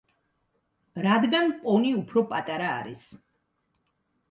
რადგან პონი უფრო პატარა არის.